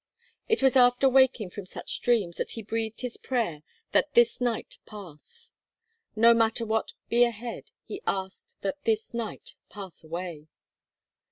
It was after waking from such dreams that he breathed his prayer that this night pass. No matter what be ahead, he asked that this night pass away.